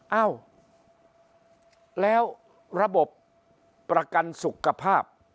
เอ้าแล้วระบบประกันสุขภาพ